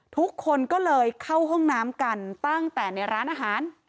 ทุกคนก็เลยเข้าห้องน้ำกันตั้งแต่ในร้านอาหาร